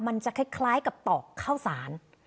มันจะคล้ายกับตอกข้าวสาร